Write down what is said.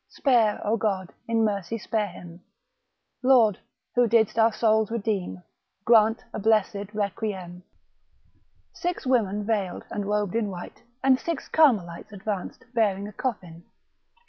Spare, O God, in mercy spare him ! Lord, who didst our souls redeem, Grant a blessed requiem! Six women, veiled, and robed in white, and six^ Carmelites advanced bearing a coffin.